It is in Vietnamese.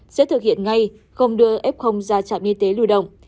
sẽ thực hiện ngay không đưa f ra trạm y tế lưu động